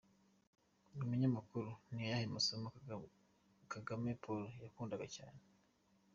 Umunyamakuru: Ni ayahe masomo Kagame Paul yakundaga cyane?.